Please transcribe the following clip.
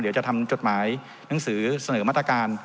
เดี๋ยวจะทำจดหมายหนังสือเสนอมาตรการ